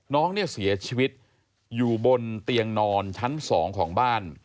น้องเนี่ยเสียชีวิตอยู่บนเตียงนอนชั้น๒ของบ้าน